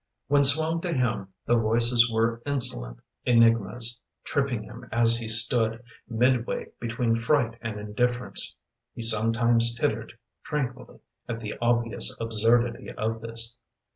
When swung to him the voices Were insolent enigmas, Tripping him as he stood Midway between fright and indifference. He sometimes tittered tranquilly At the obvious absurdity of this.